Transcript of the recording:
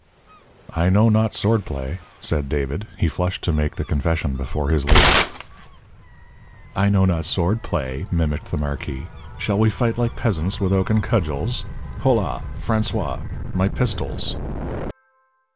"I know not sword play," said David. He flushed to make the confession before his lady. "'I know not sword play,'" mimicked the marquis. "Shall we fight like peasants with oaken cudgels? Hola! François, my pistols!"